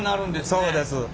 そうです。